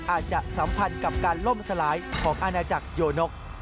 สัมพันธ์กับการล่มสลายของอาณาจักรโยนก